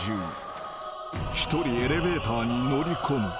［一人エレベーターに乗り込む。